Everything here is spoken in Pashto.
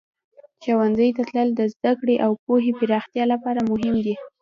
ښوونځي ته تلل د زده کړې او پوهې پراختیا لپاره مهم دی.